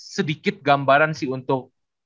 sedikit gambaran sih untuk